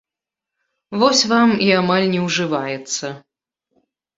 Вось вам, і амаль не ўжываецца.